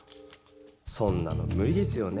そんなのむ理ですよね。